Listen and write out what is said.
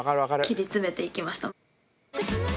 切り詰めて行きました。